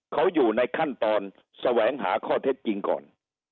เขาอยู่ในขั้นตอนแสวงหาข้อเท็จจริงก่อน